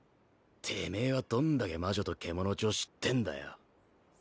てめえはどんだけ魔女と獣堕ちを知ってんだよ